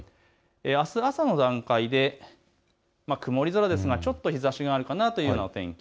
あす朝の段階で曇り空ですが、ちょっと日ざしがあるかなというお天気。